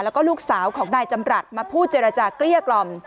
แล้วก็ลูกสาวของนายจำรัฐมาพูดเจรจาเกลี้ยกล่อม